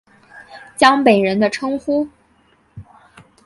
江北人的称呼。